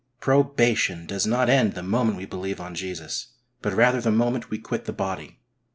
Probation does not end the moment we believe on Jesus, but rather the moment we quit the body.